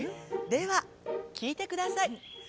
ではきいてください。